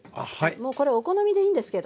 もうこれお好みでいいんですけどね